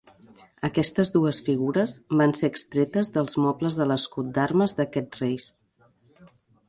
Aquestes dues figures van ser extretes dels mobles de l'escut d'armes d'aquests reis.